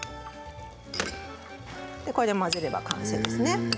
これで混ぜれば完成ですね。